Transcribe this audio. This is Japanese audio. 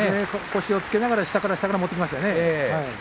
腰をつけながら下から下からいきましたね。